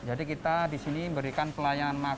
oke jadi kita di sini memberikan pelayanan makan